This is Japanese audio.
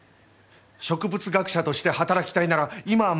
植物学者として働きたいなら今は満州がある！